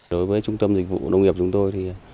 đối với trung tâm dịch vụ đông nghiệp chúng tôi